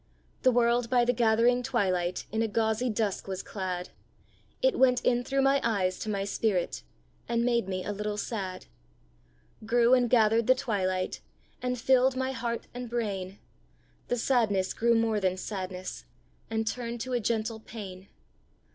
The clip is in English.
The world by the gathering twilight In a gauzy dusk was clad; It went in through my eyes to my spirit, And made me a little sad. Grew and gathered the twilight, And filled my heart and brain; The sadness grew more than sadness, And turned to a gentle pain.